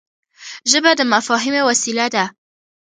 ژبه د مفاهمې وسیله ده